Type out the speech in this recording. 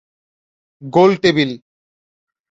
গোলটেবিল